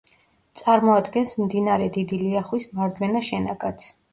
წარმოადგენს მდინარე დიდი ლიახვის მარჯვენა შენაკადს.